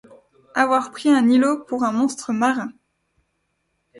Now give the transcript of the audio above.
Avoir pris un îlot pour un monstre marin !